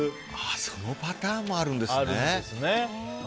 そのパターンもあるんですね。